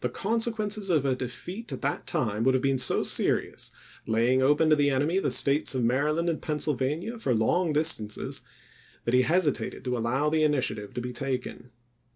xiil consequences of a defeat at that time would have been so serious, laying open to the enemy the States of Maryland and Pennsylvania for long distances, that he hesitated to allow the initiative to be taken.